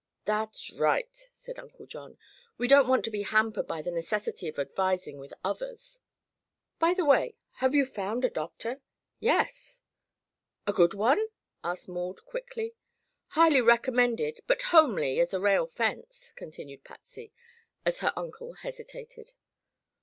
"That's right," said Uncle John. "We don't want to be hampered by the necessity of advising with others." "By the way, have you found a doctor?" "Yes." "A good one?" asked Maud quickly. "Highly recommended, but homely as a rail fence," continued Patsy, as her uncle hesitated.